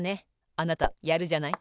あなたやるじゃない。